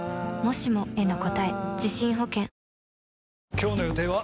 今日の予定は？